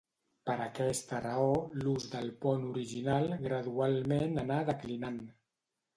Per aquesta raó, l'ús del pont original gradualment anà declinant.